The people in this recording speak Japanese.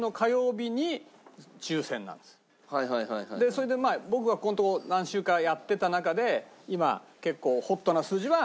それで僕がここのところ何週かやってた中で今結構。